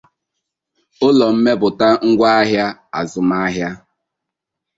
ụlọ mmepụta ngwaahịa azụmahịa